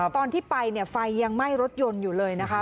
ตอนที่ไปเนี่ยไฟยังไหม้รถยนต์อยู่เลยนะคะ